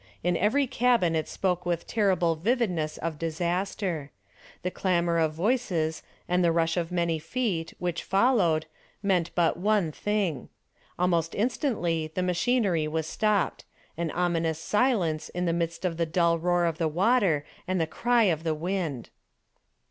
In every cabin it spoke with terrible vividness of disaster. The clamor of voices and the rush of many feet, which followed, meant but one thing. Almost instantly the machinery was stopped an ominous silence in the midst of the dull roar of the water and the cry of the wind.